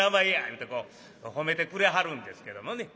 言うてこう褒めてくれはるんですけどもね。